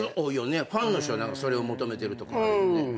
ファンの人はそれを求めてるとこもあるよね。